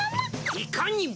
いかにも！